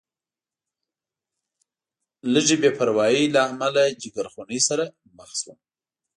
لږې بې پروایۍ له امله جیګرخونۍ سره مخ شوم.